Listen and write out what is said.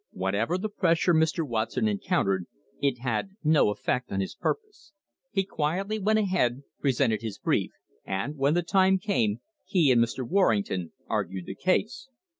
Whatever the pressure Mr. Watson encountered, it had no effect on his purpose. He quietly went ahead, presented his brief, and, when the time came, he and Mr. Warrington argued the case.